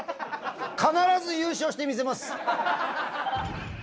必ず優勝して見せます。